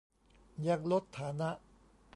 ยังลดฐานะ